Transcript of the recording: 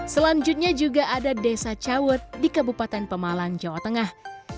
selanjutnya juga ada desa cawet di kabupaten pemalang jawa tengah